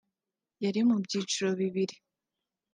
yari mu byiciro bibiri